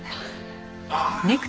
ああ！